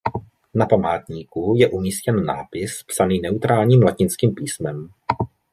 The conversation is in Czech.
Na památníku je umístěn nápis psaný neutrálním latinským písmem.